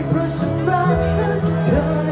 เพราะฉันรักเธอ